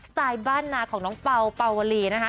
ไตล์บ้านนาของน้องเป่าเป่าวลีนะคะ